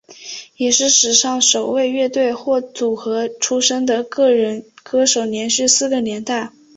也是史上首位乐团或组合出身的个人歌手连续四个年代。